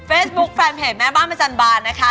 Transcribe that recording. เฟซบุ๊คแฟนเพจแม่บ้านพระจันทร์บาลนะคะ